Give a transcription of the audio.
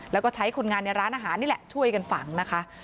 แล้วก็ใช้คนงานในร้านอาหารนี่แหละช่วยกันฝังนะคะ